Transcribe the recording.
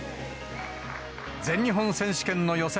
全日本選手権の予選。